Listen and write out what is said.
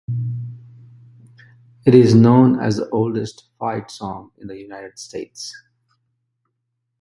It is known as the oldest fight song in the United States.